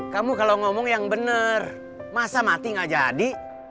kamu kalau ngomong yang benar masa mati gak jadi